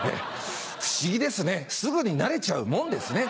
不思議ですねすぐに慣れちゃうもんですね。